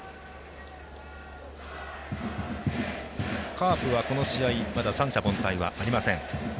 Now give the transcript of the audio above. カープは、この試合まだ三者凡退はありません。